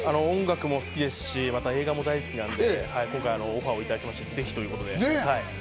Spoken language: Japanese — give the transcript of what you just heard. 音楽も好きですし、映画も大好きなのでオファーをいただいて、ぜひということで。